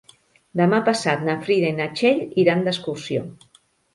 Demà passat na Frida i na Txell iran d'excursió.